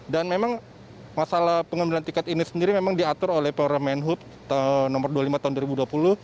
memang masalah pengambilan tiket ini sendiri memang diatur oleh permen hub nomor dua puluh lima tahun dua ribu dua puluh